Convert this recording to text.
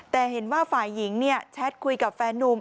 แต่เห็นว่าฝ่ายหญิงแชทคุยกับแฟนนุ่ม